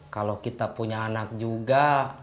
kalau kita punya anak juga